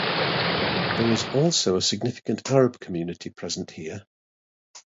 There is also a significant Arab community present here.